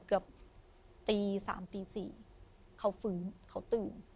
เกือบตี๓ตี๔เขาฟื้นเขาตื่น